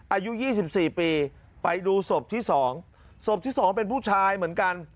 อายุ๒๔ปีไปดูศพที่สองศพที่สองเป็นผู้ชายเหมือนกัน